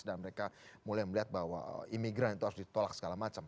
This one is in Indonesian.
dan mereka mulai melihat bahwa imigran itu harus ditolak segala macam